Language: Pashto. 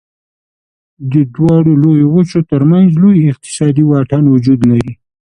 د دواړو لویو وچو تر منځ لوی اقتصادي واټن وجود لري.